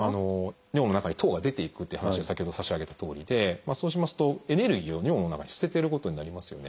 尿の中に糖が出ていくっていう話を先ほど差し上げたとおりでそうしますとエネルギーを尿の中に捨ててることになりますよね。